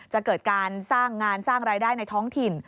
จะเกิดการสร้างงานสร้างรายได้ในท้องถิ่น